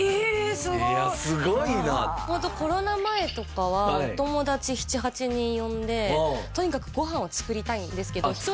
すごいいやすごいなホントコロナ前とかはお友達７８人呼んでとにかくご飯を作りたいんですけどあっ